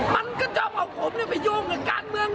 มันก็ชอบเอาผมเนี้ยไปโยงการเมือง